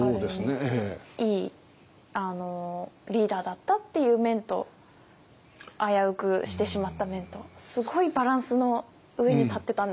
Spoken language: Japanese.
いいリーダーだったっていう面と危うくしてしまった面とすごいバランスの上に立ってたんだなっていうのは。